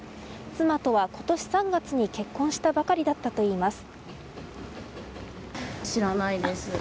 妻とは今年３月に結婚したばかりだったといいます。